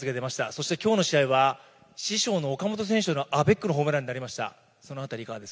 そしてきょうの試合は、師匠の岡本選手とのアベックのホームランになりました。